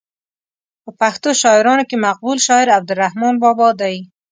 په پښتو شاعرانو کې مقبول شاعر عبدالرحمان بابا دی.